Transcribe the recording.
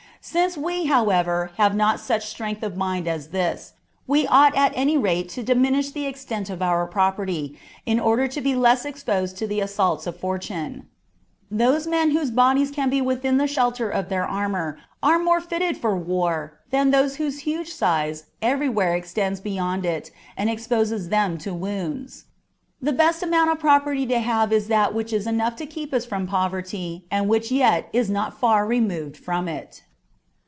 Since we, however, have not such strength of mind as this, we ought at any rate to diminish the extent of our property, in order to be less exposed to the assaults of fortune : those men whose bodies can be within the shelter of their armour, are more fitted for war than those whose huge size everywhere extends beyond CH. IX.] OF PEACE OF MIND. 269 it, and exposes them to wounds : the best amount of pro perty to have is that which is enough to keep us from poverty, and which yet is not far removed from it.